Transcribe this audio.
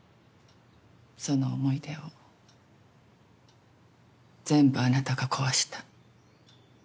その思い出を全部あなたが壊した。